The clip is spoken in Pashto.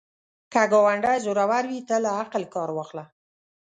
که ګاونډی زورور وي، ته له عقل کار واخله